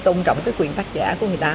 tôn trọng cái quyền tác giả của người ta